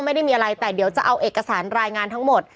ไม่ได้มีอะไรแต่เดี๋ยวจะเอาเอกสารรายงานทั้งหมด